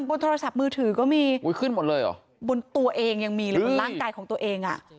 บนโทรศัพท์มือถือก็มีบนตัวเองยังมีหรือบนร่างกายของตัวเอง